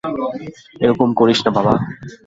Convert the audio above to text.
এ রকম কারিস না বাবা।